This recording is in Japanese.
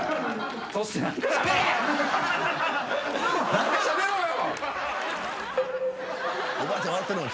何かしゃべろよ！